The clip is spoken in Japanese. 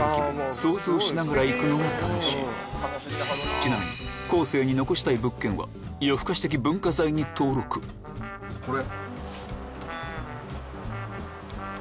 ちなみに後世に残したい物件は夜ふかし的文化財に登録これ。